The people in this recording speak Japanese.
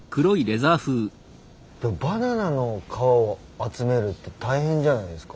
バナナの皮を集めるって大変じゃないですか？